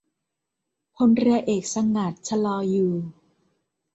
พลเรือเอกสงัด ชลออยู่